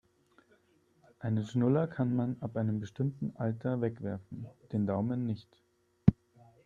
Einen Schnuller kann man ab einem bestimmten Alter wegwerfen, den Daumen nicht.